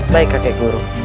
baik kakek guru